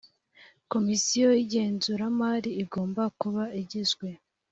komisiyo y igenzuramari igomba kuba igizwe